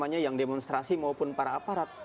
yang demonstrasi maupun para aparat